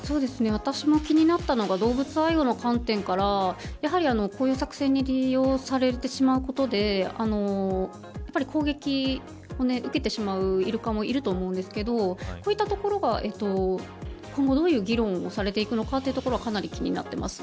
私も気になったのが動物愛護の観点からこういう作戦に利用されてしまうことで攻撃を受けてしまうイルカもいると思うんですけどこういったところが今後、どういう議論をされていくのかというところはかなり気になっています。